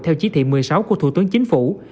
theo chỉ thị một mươi sáu của thủ tướng chính phủ